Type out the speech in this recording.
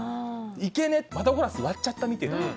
いけねえ窓ガラス割っちゃったみてえだと。